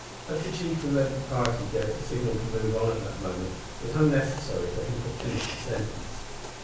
As the chief who led the party gave the signal to move on at that moment it was unnecessary for him to finish the sentence.